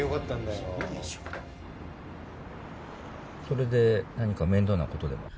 それで何か面倒なことでも？